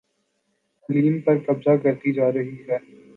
علیم پر قبضہ کرتی جا رہی ہے